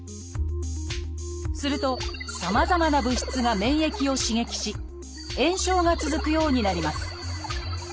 するとさまざまな物質が免疫を刺激し炎症が続くようになります。